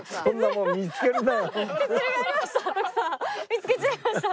見つけちゃいました。